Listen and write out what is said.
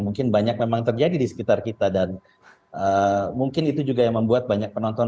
mungkin banyak memang terjadi di sekitar kita dan mungkin itu juga yang membuat banyak penonton